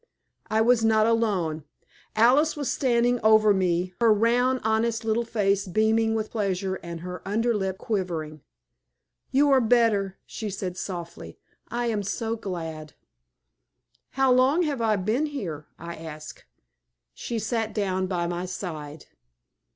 I was not alone. Alice was standing over me, her round, honest little face beaming with pleasure and her underlip quivering. "You are better," she said, softly. "I am so glad." "How long have I been here?" I asked. She sat down by my side.